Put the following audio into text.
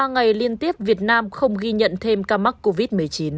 ba ngày liên tiếp việt nam không ghi nhận thêm ca mắc covid một mươi chín